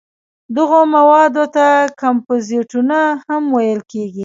دغو موادو ته کمپوزېټونه هم ویل کېږي.